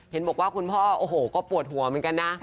เห็นบอกว่าคุณพ่อโอ้โหก็ปวดหัวเหมือนกันนะ